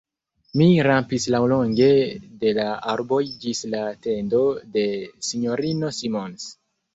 Mi rampis laŭlonge de la arboj ĝis la tendo de S-ino Simons.